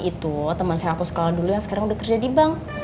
itu teman saya aku sekolah dulu yang sekarang udah kerja di bank